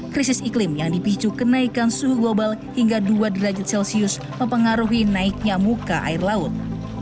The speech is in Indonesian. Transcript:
krisis iklim yang dipicu kenaikan suhu global hingga dua derajat celcius mempengaruhi naiknya muka air laut